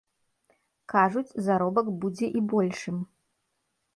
Кажуць, заробак будзе і большым.